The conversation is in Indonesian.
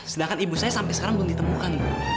sedangkan ibu saya sampai sekarang belum ditemukan